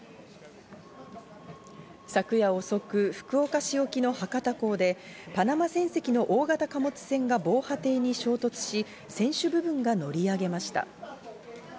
昨夜遅く、福岡市沖の博多港でパナマ船籍の大型貨物船が防波堤に衝突し船首部分が乗り上げました。